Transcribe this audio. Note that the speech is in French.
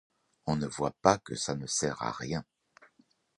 On ne voit pas que ça ne sert à rien !